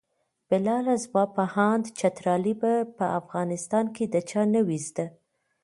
بلاله زما په اند چترالي به په افغانستان کې د چا نه وي زده.